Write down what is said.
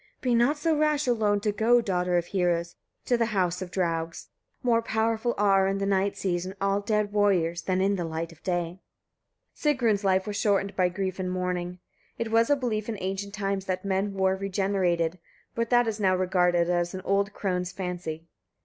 49. Be not so rash alone to go, daughter of heroes! to the house of draugs: more powerful are, in the night season, all dead warriors, than in the light of day. Sigrun's life was shortened by grief and mourning. It was a belief in ancient times that men were regenerated, but that is now regarded as an old crone's fancy.